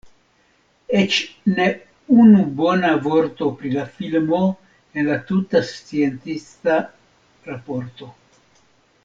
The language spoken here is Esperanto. Eĉ ne unu bona vorto pri la filmo en la tuta sciencista raporto.